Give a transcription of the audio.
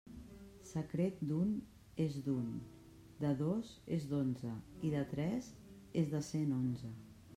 Secret d'un és d'un, de dos és d'onze, i de tres és de cent onze.